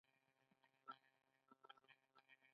آیا د کاناډا پیسفیک ریل لار مشهوره نه ده؟